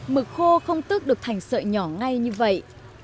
mực khô không tước được thành sợi nhỏ ngay như vậy